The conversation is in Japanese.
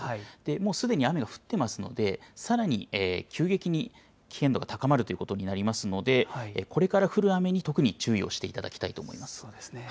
もうすでに雨が降ってますので、さらに急激に危険度が高まるということになりますので、これから降る雨に特に注意をしていただきそうですね。